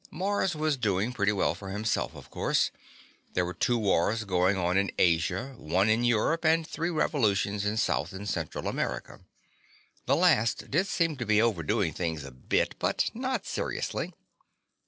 Mars was doing pretty well for himself, of course: there were two wars going on in Asia, one in Europe and three revolutions in South and Central America. That last did seem to be overdoing things a bit, but not seriously.